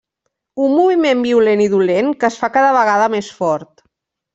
Un moviment violent i dolent que es fa cada vegada més fort.